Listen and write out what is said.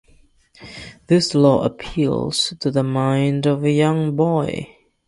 This Law appeals to the mind of a young boy.